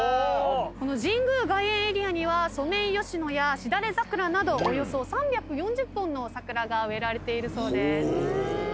この神宮外苑エリアにはソメイヨシノやシダレザクラなどおよそ３４０本の桜が植えられているそうです。